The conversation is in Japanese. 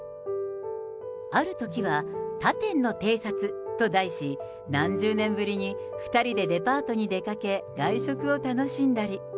あるときは、他店の偵察と題し、何十年ぶりに２人でデパートに出かけ外食を楽しんだり。